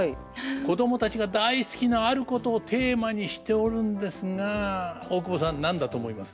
子供たちが大好きなあることをテーマにしておるんですが大久保さん何だと思います？